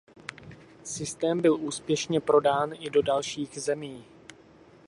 Systém byl úspěšně prodán i do dalších zemí.